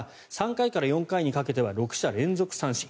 ３回から４回にかけては６者連続三振。